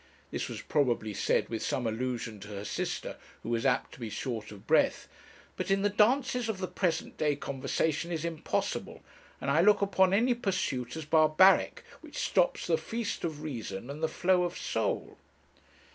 This was probably said with some allusion to her sister, who was apt to be short of breath. 'But in the dances of the present day conversation is impossible, and I look upon any pursuit as barbaric which stops the "feast of reason and the flow of soul."'